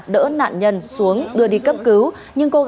đỡ nạn nhân xuống đưa đi cấp cứu nhưng cô gái trẻ đã tử vong trước đó